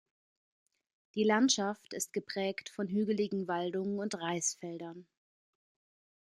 Die Landschaft ist geprägt von hügeligen Waldungen und Reisfeldern.